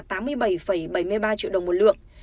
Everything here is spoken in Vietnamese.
bảy mươi ba triệu đồng một lượng